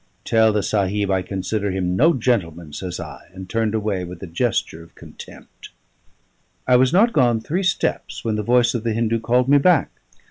"Tell the Sahib I consider him no gentleman," says I, and turned away with a gesture of contempt. I was not gone three steps when the voice of the Hindu called me back.